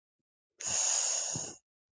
გადმოცემით, ამ ქვებზე წარწერები ყოფილა.